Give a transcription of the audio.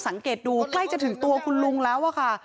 สังเกตดูใกล้จะถึงตัวคุณลุงแล้วอะค่ะ